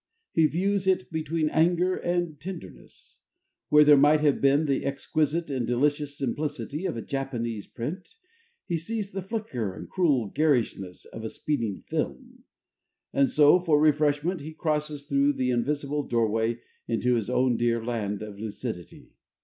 He views it between anger and tenderness. Where there might have been the exquisite and delicious simplicity of a Japanese print, he sees the flicker and cruel garishness of a speeding film. And so, for refreshment, he crosses through the invisible doorway into his own dear land of lucidity.